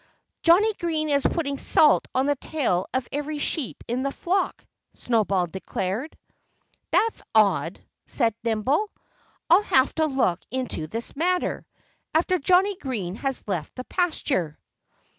"Johnnie Green is putting salt on the tail of every sheep in the flock," Snowball declared. "That's odd," said Nimble. "I'll have to look into this matter after Johnnie Green has left the pasture."